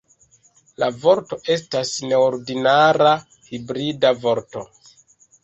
La vorto estas neordinara hibrida vorto.